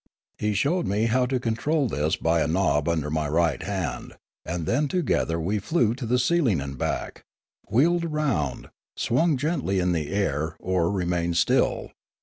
He showed me how to control this by a knob under my right hand, and then together we flew to the ceiling and back, wheeled round, swung gently in the air, or remained still.